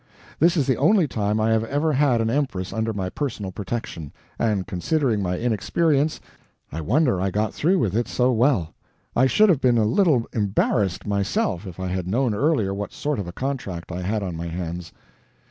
This is the only time I have ever had an Empress under my personal protection; and considering my inexperience, I wonder I got through with it so well. I should have been a little embarrassed myself if I had known earlier what sort of a contract I had on my hands.